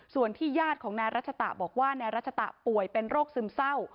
ส่วนที่ญาติของนายรัชตะบอกว่านายรัชตะป่วยเป็นโรคซึมเศร้า